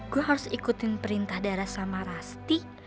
gue harus ikutin perintah darah sama rasti